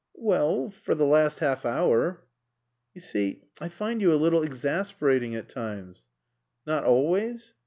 "Well for the last half hour " "You see, I find you a little exasperating at times." "Not always?"